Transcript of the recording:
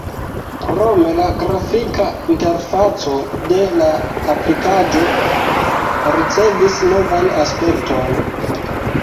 Krome la grafika interfaco de la aplikaĵo ricevis novan aspekton.